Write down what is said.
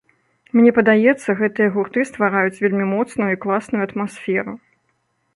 Мне падаецца, гэтыя гурты ствараюць вельмі моцную і класную атмасферу.